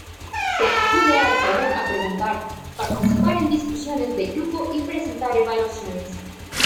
Se acude al salón a preguntar, participar en discusiones de grupo y presentar evaluaciones.